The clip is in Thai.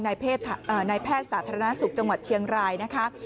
นายแพทย์สาธารณสุขจังหวัดเชียงรายนะคะ